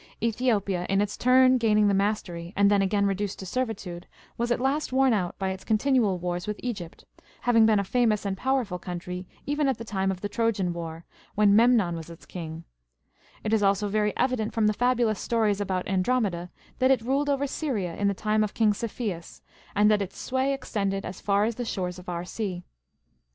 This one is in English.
Ethiopia, in its turn gaining the mastery, and then again reduced to servitude, was at last worn out by its con tinual wars with Egypt, having been a famous and powerful country even at the time of the Trojan war, when Memnon^ was its king ; it is also very evident from the fabulous stories about Andromeda,"^ that it ruled over Syria in the time of king Cepheus, and that its sway extended as far as the shores of our sea.